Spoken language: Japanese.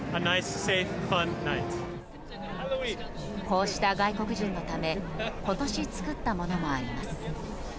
こうした外国人のため今年、作ったものもあります。